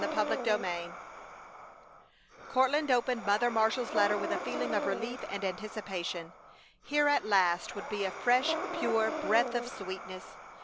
CHAPTER XXXII Courtland opened Mother Marshall's letter with a feeling of relief and anticipation. Here at least would be a fresh, pure breath of sweetness.